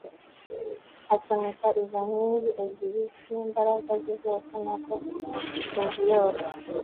asunika izo nkingi ebyiri n imbaraga ze zose Nuko inzu yose